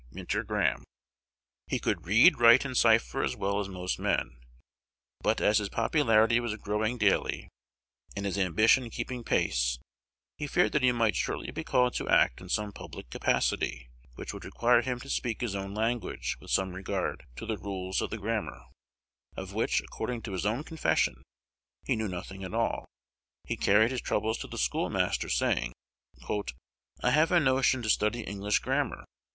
Minter Graham He could read, write, and cipher as well as most men; but as his popularity was growing daily, and his ambition keeping pace, he feared that he might shortly be called to act in some public capacity which would require him to speak his own language with some regard to the rules of the grammar, of which, according to his own confession, he knew nothing at all. He carried his troubles to the schoolmaster, saying, "I have a notion to study English grammar."